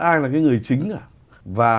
ai là cái người chính cả và